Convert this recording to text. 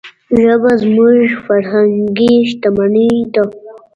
ژبه زموږ فرهنګي شتمني ده.